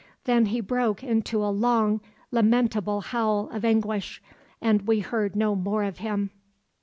Then he broke into a long, lamentable howl of anguish, and we heard no more of him."